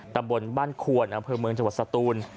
ตำบลบ้านควนอำเภอเมืองจังหวัดสตูน